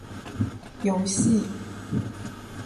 游戏